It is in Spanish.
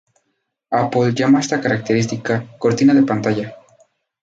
Apple llama esta característica "Cortina de pantalla".